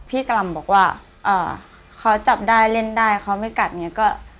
กล่ำบอกว่าอ่าเขาจับได้เล่นได้เขาไม่กัดอย่างนี้ก็